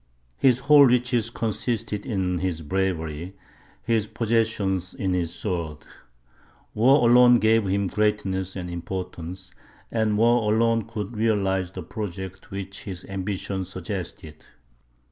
His whole riches consisted in his bravery, his possessions in his sword. War alone gave him greatness and importance, and war alone could realize the projects which his ambition suggested.